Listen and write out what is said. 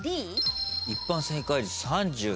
一般正解率３３％。